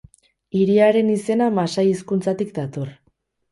Hiriaren izena masai hizkuntzatik dator.